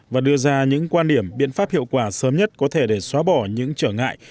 và đưa ra những quan điểm biện pháp hiệu quả sớm nhất có thể để xóa bỏ những trở ngại